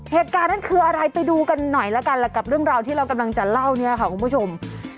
เหตุการณ์นั้นคืออะไรไปดูกันหน่อยแล้วกันแหละกับเรื่องราวที่เรากำลังจะเล่าเนี่ยค่ะคุณผู้ชม